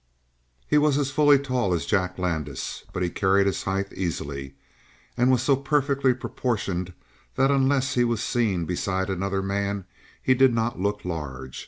He was fully as tall as Jack Landis, but he carried his height easily, and was so perfectly proportioned that unless he was seen beside another man he did not look large.